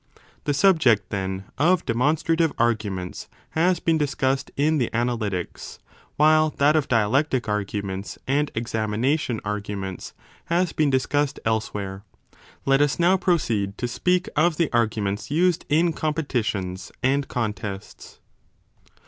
The subject, then, of demonstra tive arguments has been discussed in the Analytics^ while that of dialectic arguments and examination arguments has " been discussed elsewhere : 2 let us now proceed to speak of the arguments used in competitions and contests.